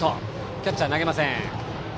キャッチャーは投げません。